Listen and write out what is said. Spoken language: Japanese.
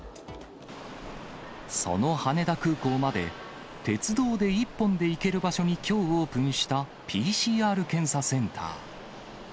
その羽田空港まで、鉄道で一本で行ける場所にきょうオープンしたＰＣＲ検査センター。